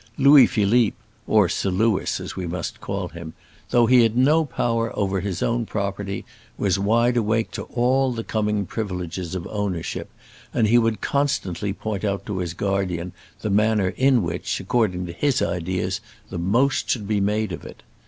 Louis Philippe or Sir Louis as we must call him though he had no power over his own property, was wide awake to all the coming privileges of ownership, and he would constantly point out to his guardian the manner in which, according to his ideas, the most should be made of it.